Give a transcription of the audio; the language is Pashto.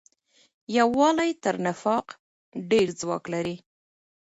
یووالی تر نفاق ډېر ځواک لري.